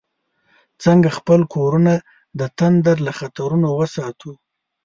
څنګه خپل کورونه د تندر له خطرونو وساتو؟